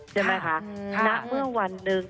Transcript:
ใช่ไหมคะณเมื่อวันหนึ่ง